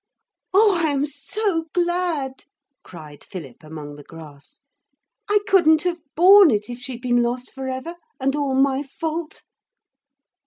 'Oh, I am so glad,' cried Philip among the grass. 'I couldn't have borne it if she'd been lost for ever, and all my fault.'